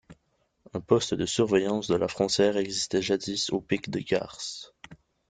Un poste de surveillance de la frontière existait jadis au pic de Garces.